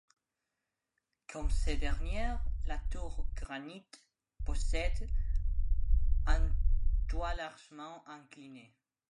Comme ces dernières, la tour Granite possède un toit largement incliné.